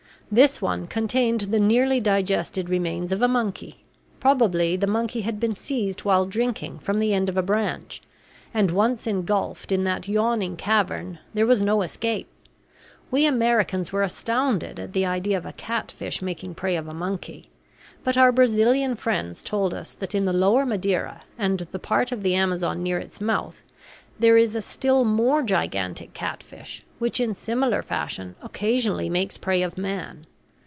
This one contained the nearly digested remains of a monkey. Probably the monkey had been seized while drinking from the end of a branch; and once engulfed in that yawning cavern there was no escape. We Americans were astounded at the idea of a catfish making prey of a monkey; but our Brazilian friends told us that in the lower Madeira and the part of the Amazon near its mouth there is a still more gigantic catfish which in similar fashion occasionally makes prey of man.